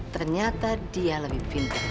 ternyata dia lebih pintar daripada gue